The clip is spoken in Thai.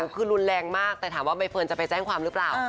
คือรุนแรงมากแต่ถามว่าใบเฟิร์นจะไปแจ้งความหรือเปล่า